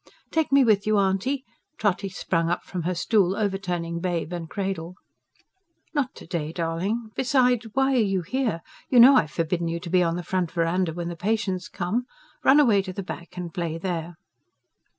"Take me with you, Auntie!" Trotty sprang up from her stool, overturning babe and cradle. "Not to day, darling. Besides, why are you here? You know I've forbidden you to be on the front verandah when the patients come. Run away to the back, and play there."